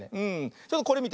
ちょっとこれみて。